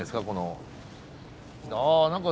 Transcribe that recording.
あ何か。